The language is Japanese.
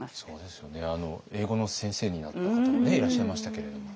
英語の先生になった方もねいらっしゃいましたけれどもね。